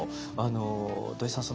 土井さん